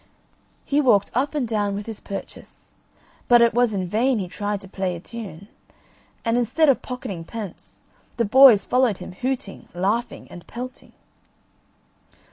He walked up and down with his purchase; but it was in vain he tried to play a tune, and instead of pocketing pence, the boys followed him hooting, laughing, and pelting.